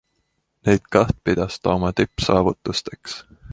Neid kaht pidas ta oma tippsaavutusteks.